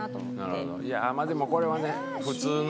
まあでもこれはね普通の。